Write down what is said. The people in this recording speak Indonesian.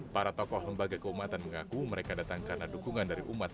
para tokoh lembaga keumatan mengaku mereka datang karena dukungan dari umat